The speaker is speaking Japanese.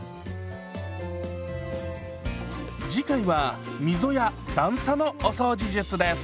次回は溝や段差のお掃除術です。